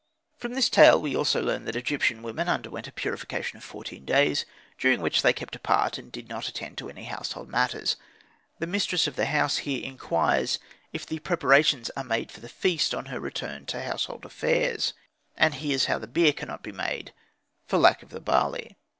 From this tale we also learn that Egyptian women underwent a purification of fourteen days, during which they kept apart and did not attend to any household matters. The mistress of the house here inquires if the preparations are made for the feast on her return to household affairs; and hears then how the beer cannot be made for lack of the barley.